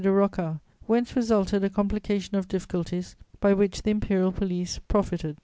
de Rocca, whence resulted a complication of difficulties by which the imperial police profited.